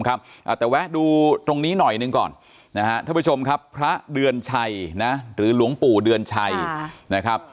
แต่แวะดูตรงนี้หน่อยหนึ่งก่อนนะฮะท่านผู้ชมครับพระเดือนชัยนะหรือหลวงปู่เดือนชัยนะครับ